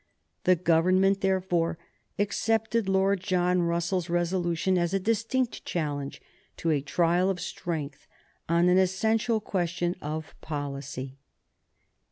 The Government, therefore, accepted Lord John Russell's resolution as a distinct challenge to a trial of strength on an essential question of policy.